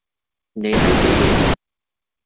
你係機器人？